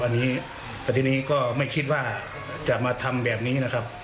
อันนี้ก็ไม่คิดว่าจะมาทำแบบนี้นะครับ